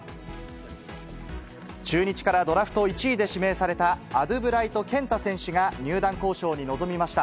中日からドラフト１位で指名されたアドゥブライト健太選手が入団交渉に臨みました。